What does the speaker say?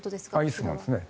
いい質問ですね。